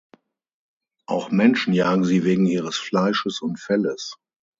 Auch Menschen jagen sie wegen ihres Fleisches und Felles.